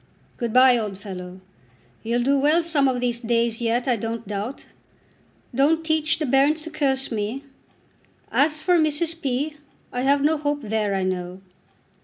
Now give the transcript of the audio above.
Good bye, old fellow. You'll do well some of these days yet, I don't doubt. Don't teach the bairns to curse me. As for Mrs. P. I have no hope there, I know."